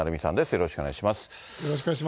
よろしくお願いします。